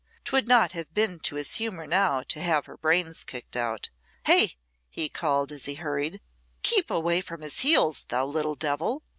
'Twould not have been to his humour now to have her brains kicked out. "Hey!" he called, as he hurried. "Keep away from his heels, thou little devil."